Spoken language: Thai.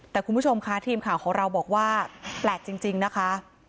แต่คุณผู้ชมค่ะทีมข่าวของเราบอกว่าแปลกจริงนะคะ